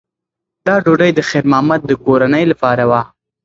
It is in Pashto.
دا ډوډۍ د خیر محمد د کورنۍ لپاره وه.